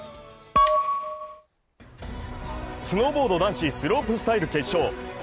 スノーボード男子スロープスタイル決勝。